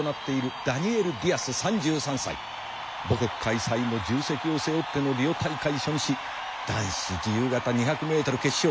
母国開催の重責を背負ってのリオ大会初日男子自由形２００ｍ決勝。